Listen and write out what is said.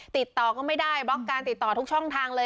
ติดต่อก็ไม่ได้บล็อกการติดต่อทุกช่องทางเลย